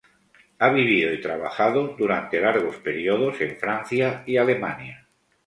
Ha vivido y trabajado durante largos períodos en Francia y Alemania.